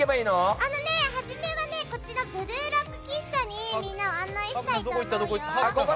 あのね、はじめはこちらブルーロック喫茶にみんなを案内したいと思うよ。